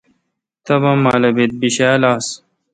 تبا مالہ ببیت بیشال آآس